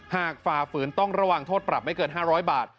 ฝ่าฝืนต้องระวังโทษปรับไม่เกิน๕๐๐บาท